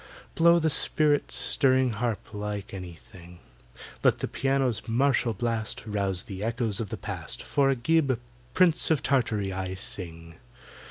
Blow the spirit stirring harp like anything! Let the piano's martial blast Rouse the Echoes of the Past, For of AGIB, Prince of Tartary, I sing!